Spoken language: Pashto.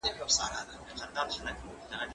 زه پرون سړو ته خواړه ورکړې!.